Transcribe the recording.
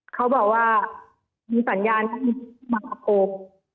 เขาบอกว่ามีสัญญาณที่มีทางมาพบ